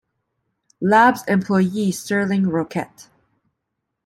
Labs employee Serling Roquette.